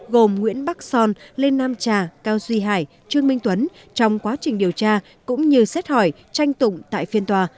gồm nguyễn bắc son lê nam trà cao duy hải trương minh tuấn trong quá trình điều tra cũng như xét hỏi tranh tụng tại phiên tòa